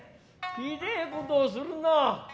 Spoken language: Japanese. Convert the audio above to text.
ひでえことをするなあ。